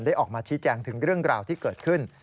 ออกมาชี้แจงถึงเรื่องราวที่เกิดขึ้น